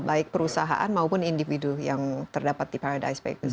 baik perusahaan maupun individu yang terdapat di paradise papers